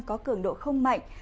có cường độ không mạnh